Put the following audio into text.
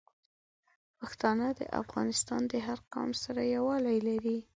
پښتانه د افغانستان د هر قوم سره یوالی لري.